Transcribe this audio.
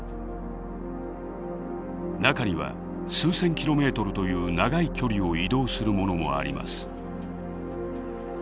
中には数千キロメートルという長い距離を移動するものもあります。